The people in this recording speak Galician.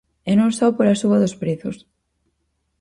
E non só pola suba dos prezos.